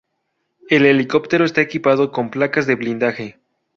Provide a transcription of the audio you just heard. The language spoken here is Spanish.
El helicóptero está equipado con placas de blindaje.